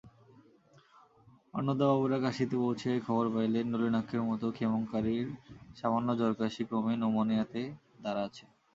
অন্নদাবাবুরা কাশীতে পৌঁছিয়াই খবর পাইলেন, নলিনাক্ষের মাতা ক্ষেমংকরীর সামান্য জ্বরকাসি ক্রমে ন্যুমোনিয়াতে দাঁড়াইয়াছে।